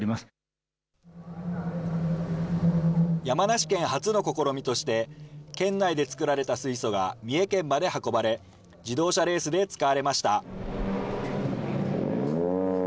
山梨県初の試みとして、県内で作られた水素が三重県まで運ばれ、自動車レースで使われました。